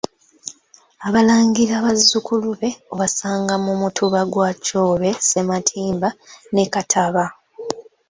Abalangira bazzukulu be, obasanga mu Mutuba gwa Kyobe Sematimba ne Kattaba.